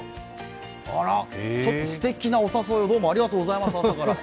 あら、すてきなお誘いをどうもありがとうございます、朝から。